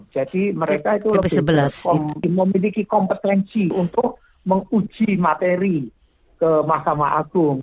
jadi mereka itu lebih memiliki kompetensi untuk menguji materi ke mahkamah agung